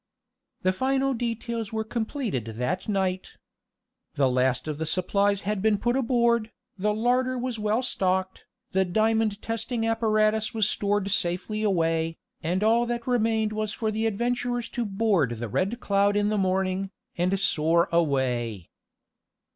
The final details were completed that night. The last of the supplies had been put aboard, the larder was well stocked, the diamond testing apparatus was stored safely away, and all that remained was for the adventurers to board the Red Cloud in the morning, and soar away.